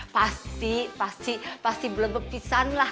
pasti pasti pasti belum berpisa lah